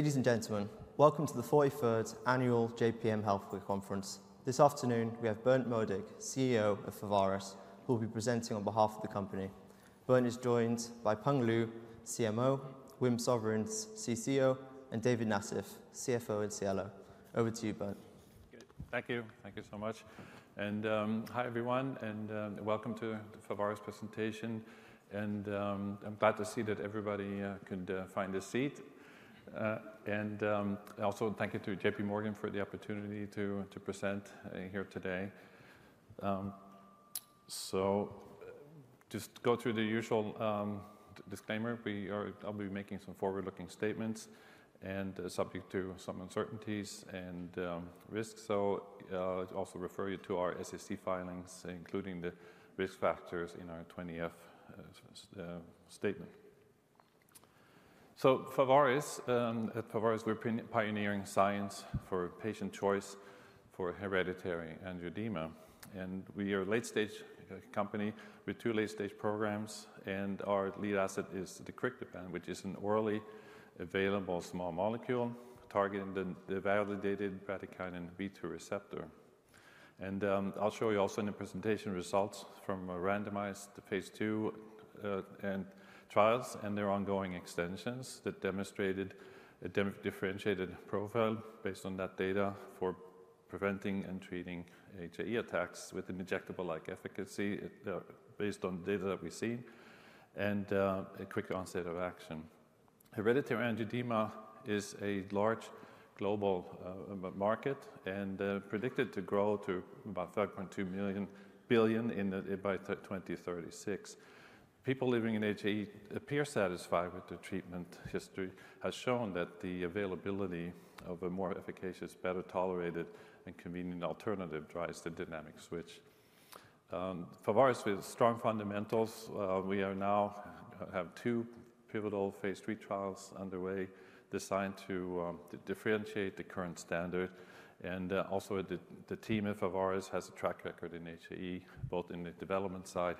Ladies and gentlemen, welcome to the 43rd Annual JPM Healthcare Conference. This afternoon, we have Berndt Modig, CEO of Pharvaris, who will be presenting on behalf of the company. Berndt is joined by Peng Lu, CMO; Wim Souverijns, CCO; and David Nassif, CFO and CLO. Over to you, Berndt. Thank you. Thank you so much. Hi, everyone, and welcome to Pharvaris' presentation. I'm glad to see that everybody could find a seat. Also, thank you to J.P. Morgan for the opportunity to present here today. Just go through the usual disclaimer. We are going to be making some forward-looking statements and subject to some uncertainties and risks. I'll also refer you to our SEC filings, including the risk factors in our 20-F. Pharvaris, at Pharvaris, we're pioneering science for patient choice for hereditary angioedema. We are a late-stage company with two late-stage programs. Our lead asset is deucrictibant, which is an orally available small molecule targeting the validated bradykinin B2 receptor. I'll show you also in the presentation results from randomized phase II trials and their ongoing extensions that demonstrated a differentiated profile based on that data for preventing and treating HAE attacks with an injectable-like efficacy based on data that we've seen and a quick onset of action. Hereditary angioedema is a large global market and predicted to grow to about $5.2 billion by 2036. People living with HAE appear satisfied with the treatment history. It has shown that the availability of a more efficacious, better tolerated, and convenient alternative drives the dynamic switch. Pharvaris with strong fundamentals. We now have two pivotal phase III trials underway designed to differentiate the current standard. The team at Pharvaris has a track record in HAE, both in the development side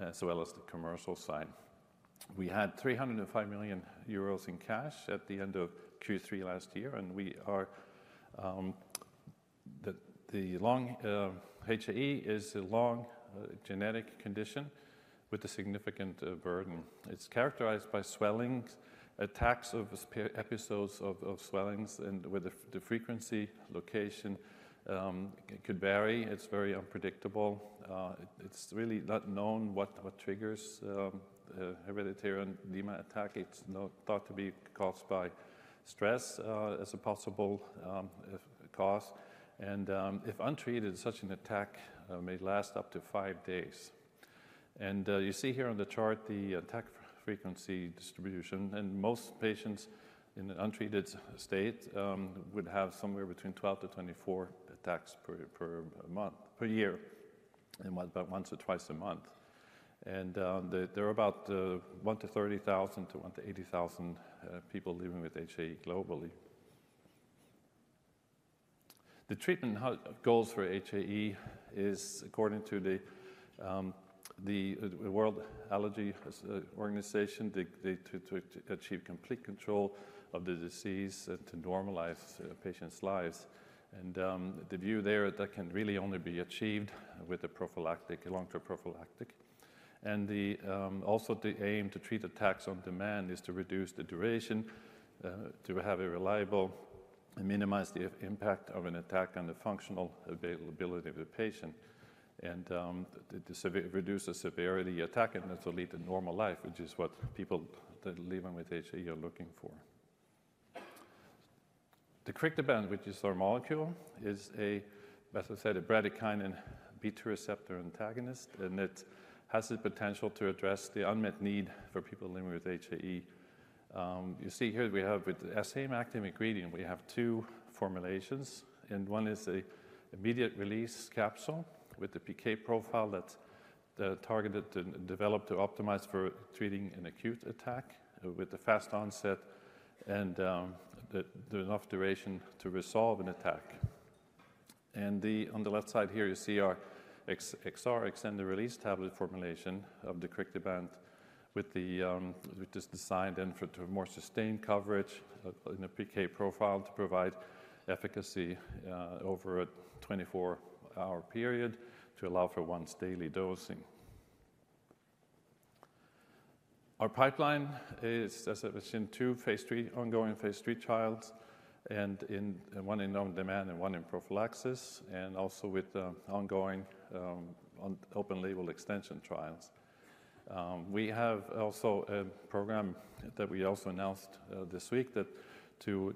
as well as the commercial side. We had 305 million euros in cash at the end of Q3 last year. HAE is a rare genetic condition with a significant burden. It's characterized by swellings, attacks of episodes of swellings, and where the frequency, location could vary. It's very unpredictable. It's really not known what triggers hereditary angioedema attack. It's thought to be caused by stress as a possible cause. And if untreated, such an attack may last up to five days. And you see here on the chart the attack frequency distribution. And most patients in an untreated state would have somewhere between 12-24 attacks per year, about once or twice a month. And there are about 1 in 30,000-1 in 80,000 people living with HAE globally. The treatment goals for HAE is, according to the World Allergy Organization, to achieve complete control of the disease and to normalize patients' lives. And the view there that can really only be achieved with a prophylactic, a long-term prophylactic. And also the aim to treat attacks on demand is to reduce the duration, to have a reliable and minimize the impact of an attack on the functional availability of the patient and to reduce the severity of the attack and to lead to normal life, which is what people living with HAE are looking for. Deucrictibant, which is our molecule, is a, as I said, a bradykinin B2 receptor antagonist. And it has the potential to address the unmet need for people living with HAE. You see here we have with the same active ingredient, we have two formulations. And one is an immediate release capsule with a PK profile that's targeted to develop to optimize for treating an acute attack with a fast onset and enough duration to resolve an attack. And on the left side here, you see our XR extended-release tablet formulation of deucrictibant with this designed then for more sustained coverage in a PK profile to provide efficacy over a 24-hour period to allow for once-daily dosing. Our pipeline is, as I mentioned, two phase III ongoing phase III trials and one in on-demand and one in prophylaxis, and also with ongoing open-label extension trials. We have also a program that we also announced this week that we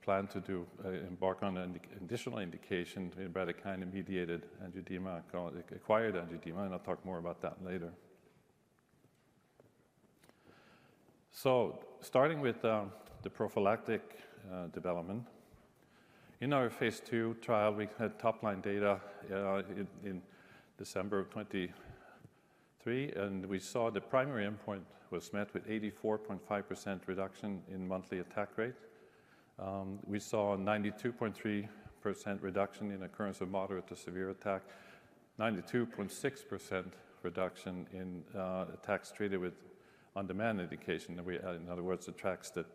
plan to embark on an additional indication to bradykinin-mediated angioedema called acquired angioedema. And I'll talk more about that later. Starting with the prophylactic development, in our phase II trial, we had top-line data in December of 2023. We saw the primary endpoint was met with 84.5% reduction in monthly attack rate. We saw a 92.3% reduction in occurrence of moderate to severe attack, 92.6% reduction in attacks treated with on-demand medication. In other words, attacks that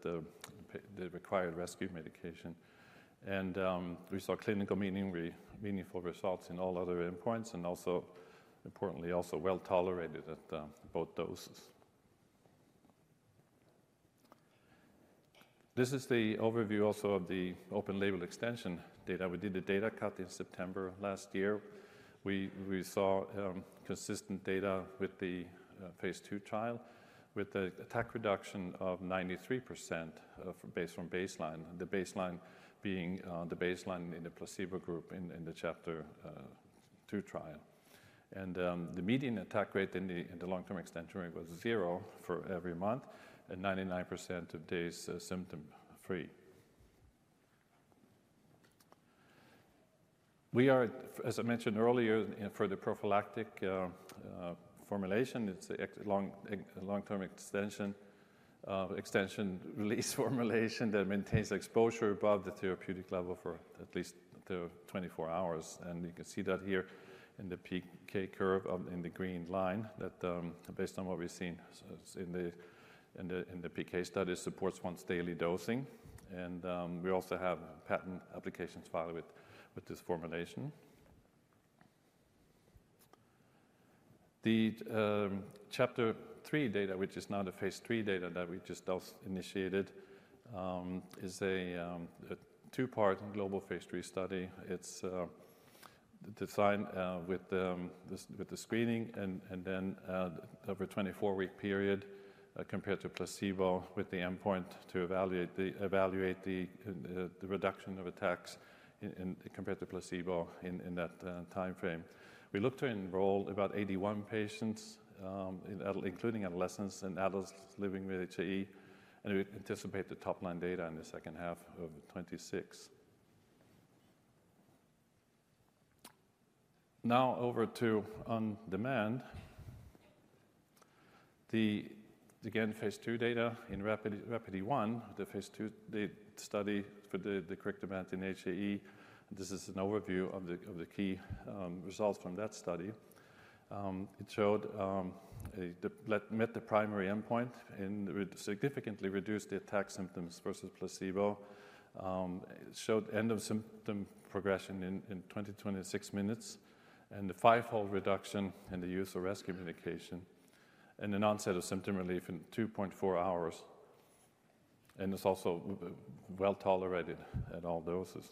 required rescue medication. We saw clinically meaningful results in all other endpoints and also, importantly, also well tolerated at both doses. This is the overview also of the open-label extension data. We did a data cut in September last year. We saw consistent data with the phase II trial with an attack reduction of 93% based on baseline, the baseline being the baseline in the placebo group in the CHAPTER-2 trial. The median attack rate in the long-term extension rate was zero for every month and 99% of days symptom-free. We are, as I mentioned earlier, for the prophylactic formulation, it's an extended-release formulation that maintains exposure above the therapeutic level for at least 24 hours. You can see that here in the PK curve in the green line that, based on what we've seen in the PK studies, supports once-daily dosing. We also have patent applications filed with this formulation. The CHAPTER-3 data, which is now the phase III data that we just initiated, is a two-part global phase III study. It's designed with the screening and then over a 24-week period compared to placebo with the endpoint to evaluate the reduction of attacks compared to placebo in that time frame. We look to enroll about 81 patients, including adolescents and adults living with HAE. We anticipate the top-line data in the second half of 2026. Now over to on-demand. The, again, phase II data in RAPIDe-1, the phase II study for deucrictibant in HAE. This is an overview of the key results from that study. It showed it met the primary endpoint and significantly reduced the attack symptoms versus placebo. It showed end of symptom progression in 20-26 minutes and the five-fold reduction in the use of rescue medication and an onset of symptom relief in 2.4 hours. It's also well tolerated at all doses.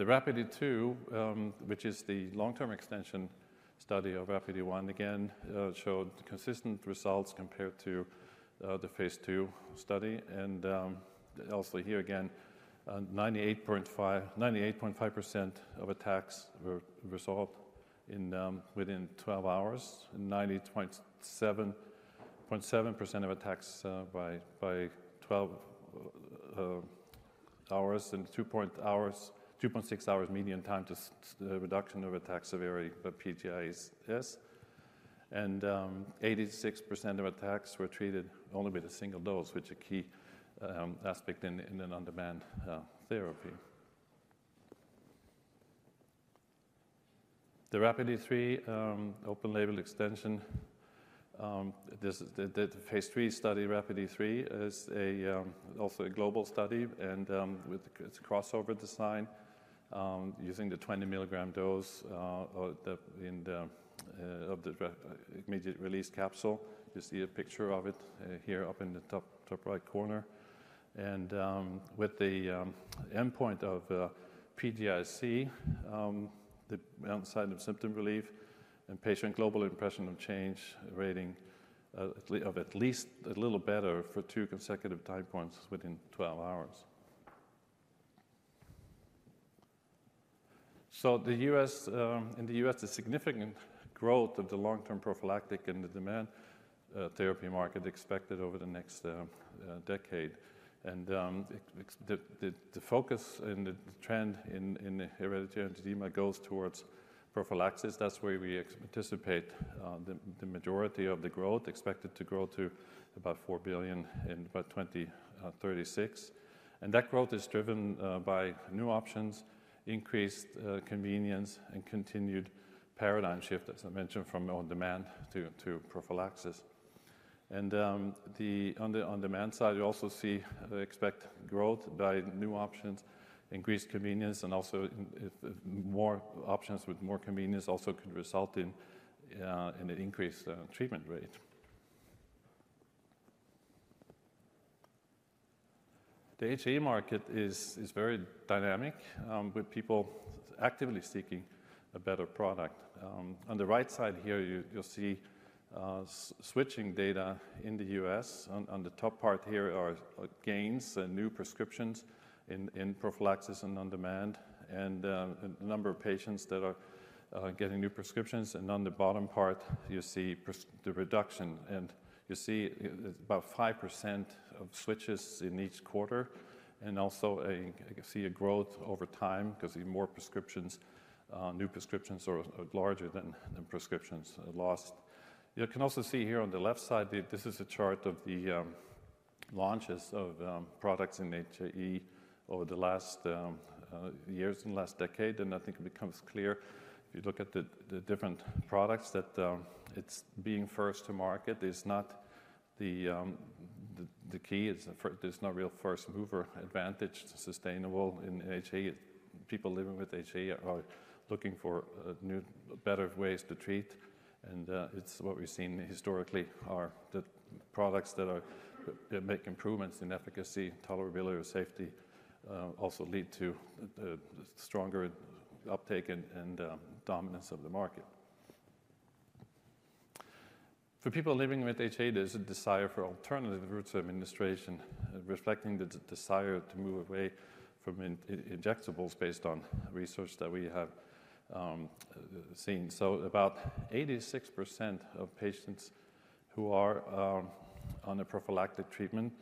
The RAPIDe-2, which is the long-term extension study of RAPIDe-1, again showed consistent results compared to the phase II study. Also here, again, 98.5% of attacks were resolved within 12 hours, 90.7% of attacks by 12 hours and 2.6 hours median time to reduction of attack severity by PGIS. 86% of attacks were treated only with a single dose, which is a key aspect in an on-demand therapy. The RAPIDe-3 open-label extension, the phase III study, RAPIDe-3, is also a global study. It is crossover design using the 20 mg dose of the immediate release capsule. You see a picture of it here up in the top right corner. It has the endpoint of PGIC, the onset of symptom relief and patient global impression of change rating of at least a little better for two consecutive time points within 12 hours. In the U.S., the significant growth of the long-term prophylactic and the on-demand therapy market expected over the next decade. The focus and the trend in hereditary angioedema goes towards prophylaxis. That's where we anticipate the majority of the growth expected to grow to about $4 billion in about 2036. That growth is driven by new options, increased convenience, and continued paradigm shift, as I mentioned, from on-demand to prophylaxis. On the on-demand side, you also see expected growth by new options, increased convenience, and also more options with more convenience also could result in an increased treatment rate. The HAE market is very dynamic with people actively seeking a better product. On the right side here, you'll see switching data in the U.S. On the top part here are gains and new prescriptions in prophylaxis and on-demand and a number of patients that are getting new prescriptions. On the bottom part, you see the reduction. You see about 5% of switches in each quarter. Also you see a growth over time because more prescriptions, new prescriptions are larger than prescriptions lost. You can also see here on the left side. This is a chart of the launches of products in HAE over the last years and last decade. I think it becomes clear if you look at the different products that it being first to market is not the key. There's no real first mover advantage sustainable in HAE. People living with HAE are looking for better ways to treat. It's what we've seen historically are the products that make improvements in efficacy, tolerability, or safety also lead to stronger uptake and dominance of the market. For people living with HAE, there's a desire for alternative routes of administration, reflecting the desire to move away from injectables based on research that we have seen. About 86% of patients who are on a prophylactic treatment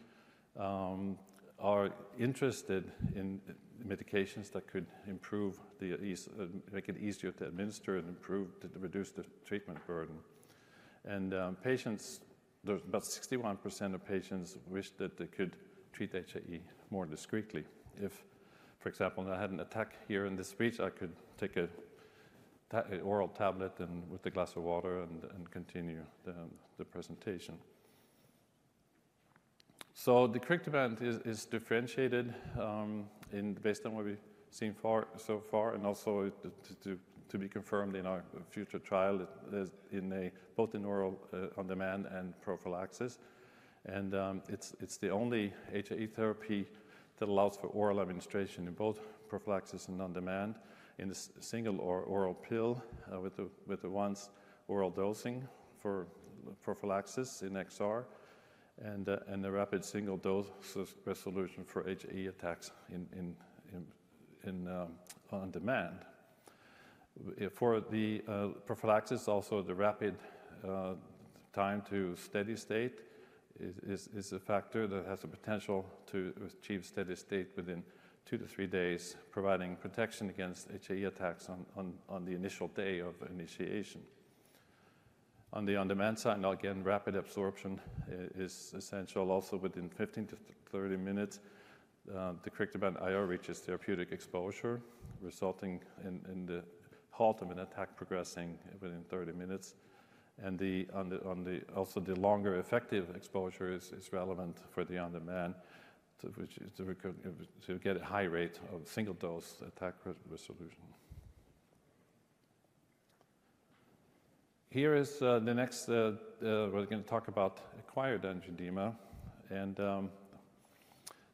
are interested in medications that could improve the ease of making it easier to administer and improve to reduce the treatment burden. Patients, about 61% of patients wish that they could treat HAE more discreetly. If, for example, I had an attack here in this speech, I could take an oral tablet with a glass of water and continue the presentation. Deucrictibant is differentiated based on what we've seen so far and also to be confirmed in our future trial both in oral on-demand and prophylaxis. It's the only HAE therapy that allows for oral administration in both prophylaxis and on-demand in a single oral pill with the once-oral dosing for prophylaxis in XR and the rapid single dose resolution for HAE attacks on demand. For the prophylaxis, also the rapid time to steady state is a factor that has the potential to achieve steady state within two to three days, providing protection against HAE attacks on the initial day of initiation. On the on-demand side, again, rapid absorption is essential. Also within 15-30 minutes, deucrictibant IR reaches therapeutic exposure, resulting in the halt of an attack progressing within 30 minutes. And also the longer effective exposure is relevant for the on-demand, which is to get a high rate of single dose attack resolution. Here is the next we're going to talk about acquired angioedema. And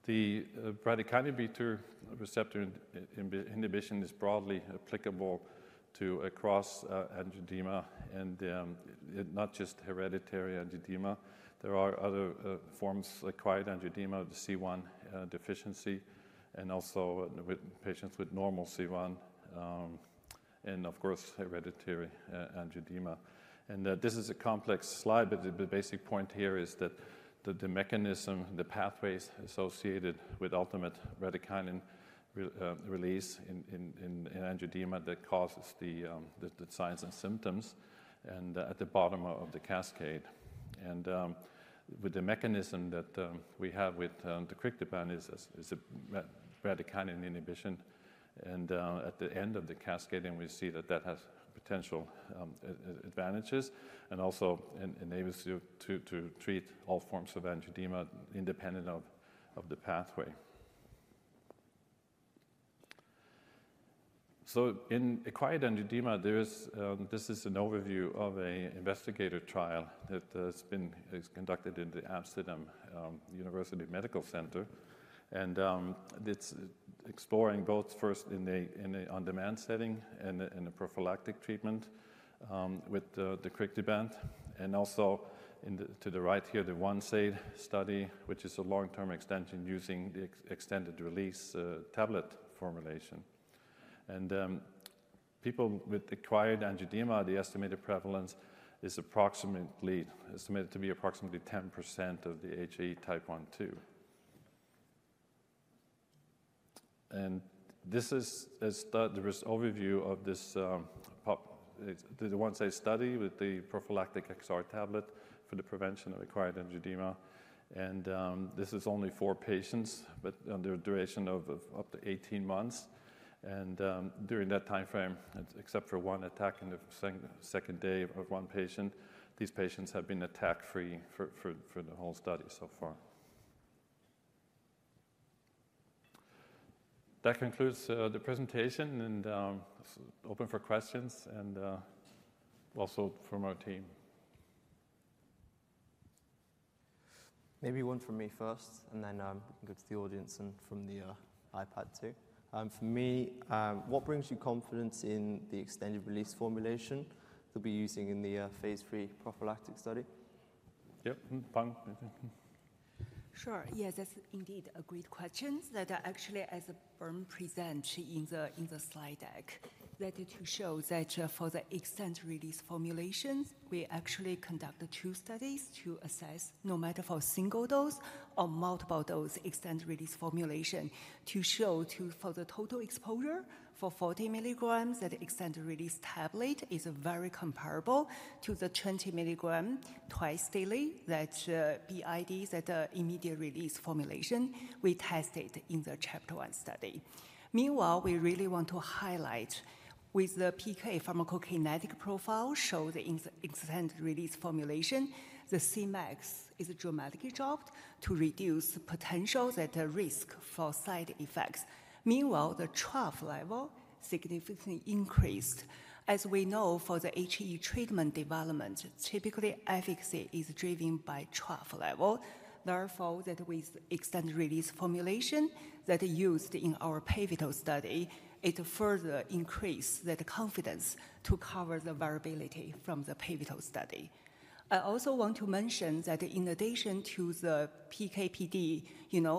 the bradykinin B2 receptor inhibition is broadly applicable to across angioedema and not just hereditary angioedema. There are other forms of acquired angioedema, the C1 deficiency, and also patients with normal C1 and, of course, hereditary angioedema. This is a complex slide, but the basic point here is that the mechanism, the pathways associated with ultimate bradykinin release in angioedema that causes the signs and symptoms and at the bottom of the cascade. With the mechanism that we have with deucrictibant is a bradykinin inhibition. At the end of the cascade, we see that that has potential advantages and also enables you to treat all forms of angioedema independent of the pathway. In acquired angioedema, this is an overview of an investigator trial that has been conducted in the Amsterdam University Medical Center. It's exploring both first in the on-demand setting and the prophylactic treatment with deucrictibant. Also to the right here, the ONE-STATE study, which is a long-term extension using the extended release tablet formulation. People with acquired angioedema, the estimated prevalence is estimated to be approximately 10% of the HAE type 1, 2. This is the overview of the ONE-STATE study with the prophylactic XR tablet for the prevention of acquired angioedema. This is only four patients under duration of up to 18 months. During that time frame, except for one attack in the second day of one patient, these patients have been attack-free for the whole study so far. That concludes the presentation and open for questions and also from our team. Maybe one from me first and then go to the audience and from the iPad too. For me, what brings you confidence in the extended release formulation that we're using in the phase III prophylactic study? Yep. Sure. Yes, that's indeed a great question that actually as Berndt presented in the slide deck, that it will show that for the extended release formulations, we actually conduct two studies to assess no matter for single dose or multiple dose extended release formulation to show for the total exposure for 40 mg that extended release tablet is very comparable to the 20 mg twice daily that BID, that immediate release formulation we tested in the CHAPTER-1 study. Meanwhile, we really want to highlight with the PK pharmacokinetic profile showed the extended release formulation, the Cmax is dramatically dropped to reduce potential risk for side effects. Meanwhile, the trough level significantly increased. As we know for the HAE treatment development, typically efficacy is driven by trough level. Therefore, with extended release formulation that is used in our pivotal study, it further increased that confidence to cover the variability from the pivotal study. I also want to mention that in addition to the PKPD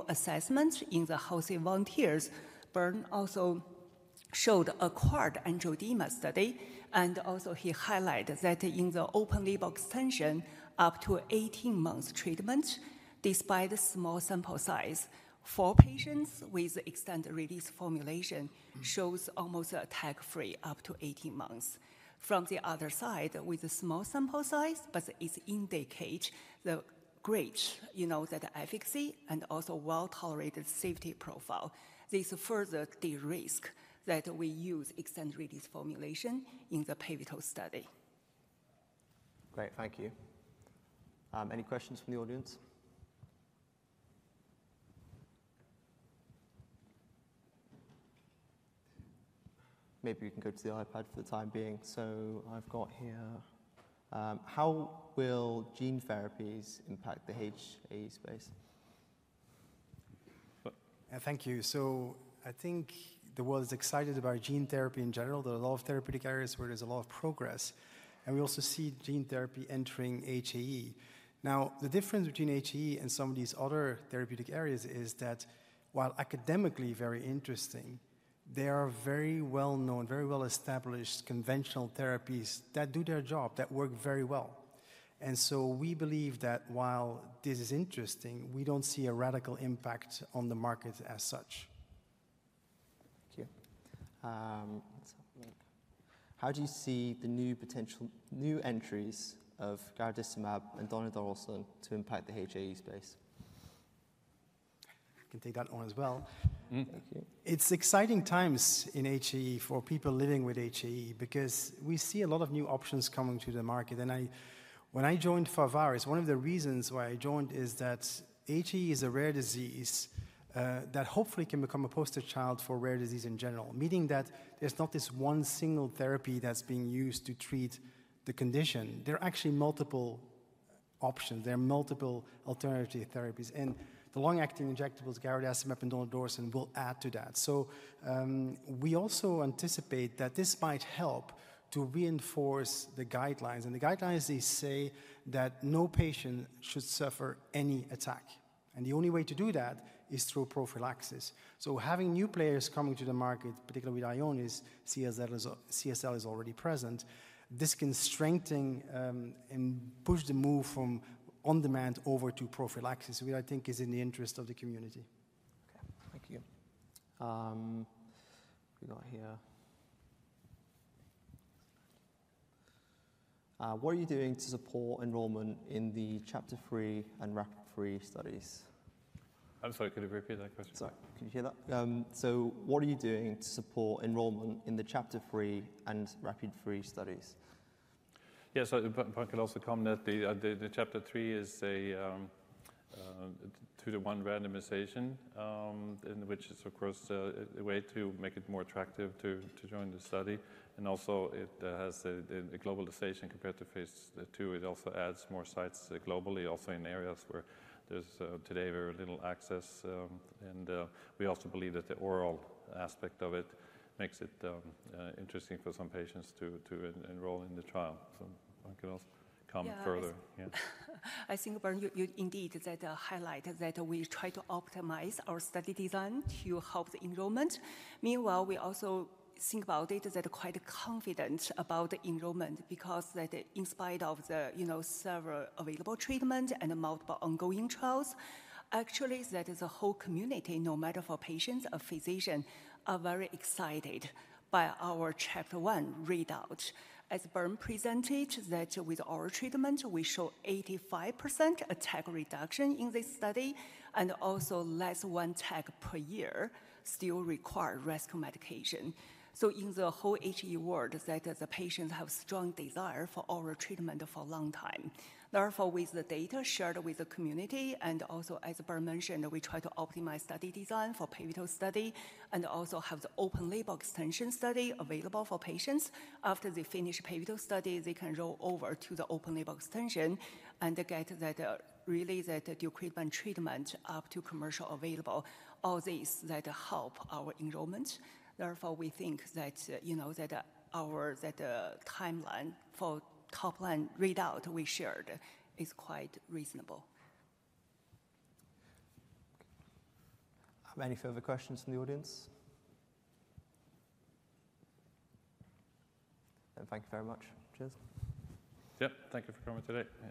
assessments in the healthy volunteers, Berndt also showed acquired angioedema study. He also highlighted that in the open label extension up to 18 months treatment, despite the small sample size, four patients with extended release formulation shows almost attack-free up to 18 months. From the other side, with a small sample size, but it's indicate the great efficacy and also well-tolerated safety profile. This further de-risk that we use extended release formulation in the pivotal study. Great. Thank you. Any questions from the audience? Maybe you can go to the iPad for the time being. So I've got here, how will gene therapies impact the HAE space? Thank you. I think the world is excited about gene therapy in general. There are a lot of therapeutic areas where there's a lot of progress. We also see gene therapy entering HAE. The difference between HAE and some of these other therapeutic areas is that while academically very interesting, they are very well-known, very well-established conventional therapies that do their job, that work very well. We believe that while this is interesting, we don't see a radical impact on the market as such. Thank you. How do you see the new potential entries of garadacimab and donidalorsen to impact the HAE space? I can take that one as well. Thank you. It's exciting times in HAE for people living with HAE because we see a lot of new options coming to the market. And when I joined Pharvaris, one of the reasons why I joined is that HAE is a rare disease that hopefully can become a poster child for rare disease in general, meaning that there's not this one single therapy that's being used to treat the condition. There are actually multiple options. There are multiple alternative therapies. And the long-acting injectables, garadacimab and donidalorsen, will add to that. So we also anticipate that this might help to reinforce the guidelines. And the guidelines, they say that no patient should suffer any attack. And the only way to do that is through prophylaxis. So, having new players coming to the market, particularly with Ionis, CSL is already present. This can strengthen and push the move from on-demand over to prophylaxis, which I think is in the interest of the community. Okay. Thank you. We got here. What are you doing to support enrollment in the CHAPTER-3 and RAPIDe-3 studies? I'm sorry, could you repeat that question? Sorry. Can you hear that? So what are you doing to support enrollment in the CHAPTER-3 and RAPIDe-3 studies? Yeah. So if I can also comment, the CHAPTER-3 is a two-to-one randomization, which is, of course, a way to make it more attractive to join the study. And also it has a globalization compared to phase II. It also adds more sites globally, also in areas where there's today very little access. And we also believe that the oral aspect of it makes it interesting for some patients to enroll in the trial. So I can also comment further. Yes. I think indeed that highlight that we try to optimize our study design to help the enrollment. Meanwhile, we also think about it that are quite confident about the enrollment because that in spite of the several available treatments and multiple ongoing trials, actually that is a whole community, no matter for patients or physicians, are very excited by our CHAPTER-1 readout. As Berndt presented, that with our treatment, we show 85% attack reduction in this study and also less one attack per year still require rescue medication. So in the whole HAE world, that the patients have strong desire for our treatment for a long time. Therefore, with the data shared with the community and also as Berndt mentioned, we try to optimize study design for pivotal study and also have the open label extension study available for patients. After they finish pivotal study, they can roll over to the open-label extension and get that really that the treatment up to commercially available. All these that help our enrollment. Therefore, we think that our timeline for top-line readout we shared is quite reasonable. Any further questions from the audience? Thank you very much. Yep. Thank you for coming today.